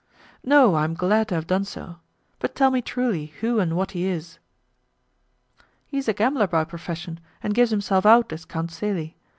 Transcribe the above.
"No, I am glad to have done so, but tell me truly who and what he is." "He is a gambler by profession, and gives himself out as Count Celi.